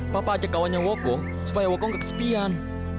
papa ajak kawannya woko supaya woko gak kesepian